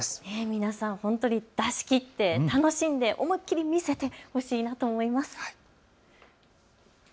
皆さん本当に出しきって楽しんで思いっきり見せてほしいなと思います。